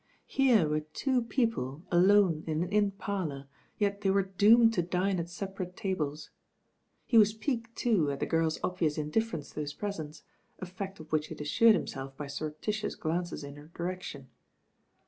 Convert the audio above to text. Here were two people alone in an inn parlour, yet they were doomed to dine at separate tables. He was piqued, too. at the girl s obvious indifference to his presence, a fact of atl •' u t '""''^^""''^^ ^y ^""eptitious glances in her direction.